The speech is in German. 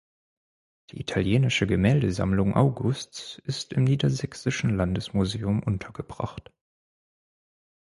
Die italienische Gemäldesammlung Augusts ist im Niedersächsischen Landesmuseum untergebracht.